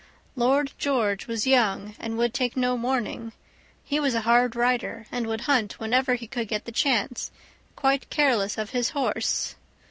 Lord George was young and would take no warning; he was a hard rider, and would hunt whenever he could get the chance, quite careless of his horse.